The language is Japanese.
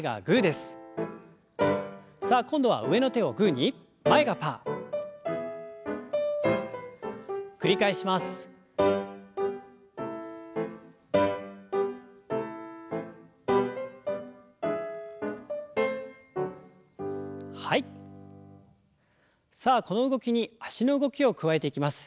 さあこの動きに脚の動きを加えていきます。